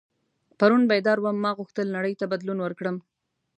پرون بیدار وم ما غوښتل نړۍ ته بدلون ورکړم.